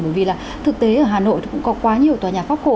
bởi vì là thực tế ở hà nội thì cũng có quá nhiều tòa nhà pháp cổ